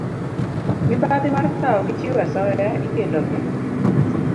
Mibadhi mar kawo gi chiwo asoya ikelo gi